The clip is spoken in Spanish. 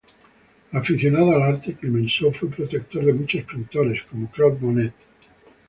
Aficionado al arte, Clemenceau fue protector de muchos pintores como Claude Monet.